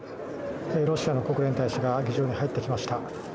ロシアの国連大使が議場に入ってきました。